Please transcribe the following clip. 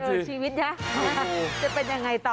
ชีวิตนะจะเป็นยังไงต่อ